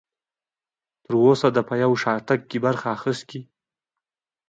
تر اوسه دې په یو شاتګ کې برخه اخیستې؟